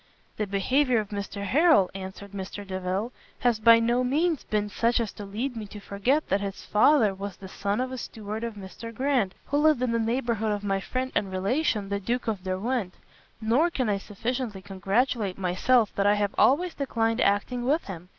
"The behaviour of Mr Harrel," answered Mr Delvile, "has by no means been such as to lead me to forget that his father was the son of a steward of Mr Grant, who lived in the neighbourhood of my friend and relation the Duke of Derwent: nor can I sufficiently congratulate myself that I have always declined acting with him.